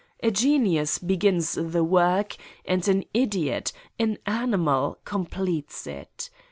A genius be gins the work and an idiot, an animal, completes it.